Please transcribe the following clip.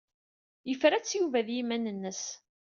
Yefra-tt Yuba ed yiman-nnes.